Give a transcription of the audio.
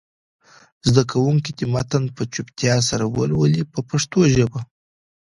زده کوونکي دې متن په چوپتیا سره ولولي په پښتو ژبه.